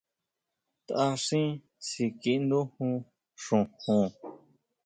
Taʼxín síkiʼindujun xojon.